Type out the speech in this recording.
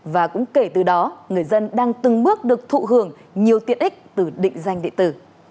và cũng kể từ đó người dân đang từng bước được thụ hưởng nhiều tiện ích từ định danh điện tử